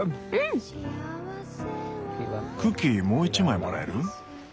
クッキーもう１枚もらえる？